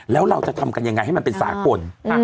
แล้วเราจะทำกันยังไงให้มันเป็นสากล